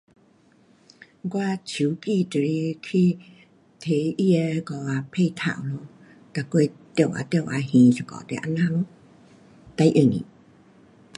我手机就是去提它的那个啊配套咯。每月多少多少还一下就是这样咯。最容易